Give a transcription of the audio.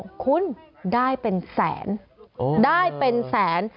คุณได้เป็นแสนได้เป็นแสน